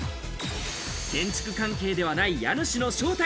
建築関係ではない家主の正体。